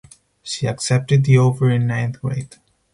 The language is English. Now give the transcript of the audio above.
She accepted the offer in ninth grade.